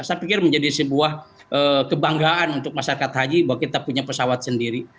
saya pikir menjadi sebuah kebanggaan untuk masyarakat haji bahwa kita punya pesawat sendiri